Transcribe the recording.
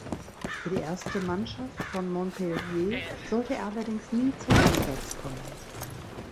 Für die erste Mannschaft von Montpellier sollte er allerdings nie zum Einsatz kommen.